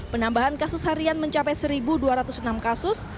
penambahan kasus harian mencapai satu dua ratus enam kasus